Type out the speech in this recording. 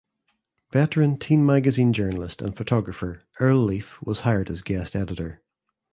Veteran teen magazine journalist and photographer Earl Leaf was hired as guest editor.